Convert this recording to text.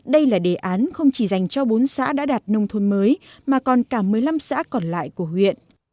đây là đề án không chỉ dành cho bốn xã đã đạt nông thôn mới mà còn cả một mươi năm xã còn lại của huyện